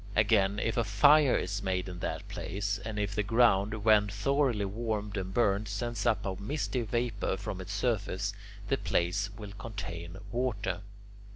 Again, if a fire is made in that place, and if the ground, when thoroughly warmed and burned, sends up a misty vapour from its surface, the place will contain water.